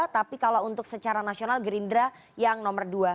tapi kalau untuk secara nasional gerindra yang nomor dua